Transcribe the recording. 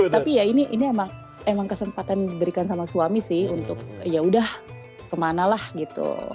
tapi ya ini emang kesempatan diberikan sama suami sih untuk yaudah kemana lah gitu